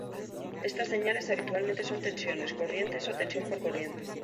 Estas señales habitualmente son tensiones, corrientes o tensión por corriente.